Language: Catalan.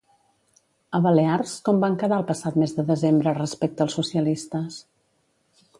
A Balears, com van quedar el passat mes de desembre respecte als socialistes?